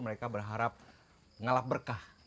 mereka berharap ngalap berkah